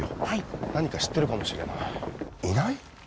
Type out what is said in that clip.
はい何か知ってるかもしれないいない？